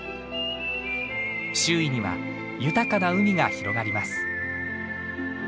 周囲には豊かな海が広がります。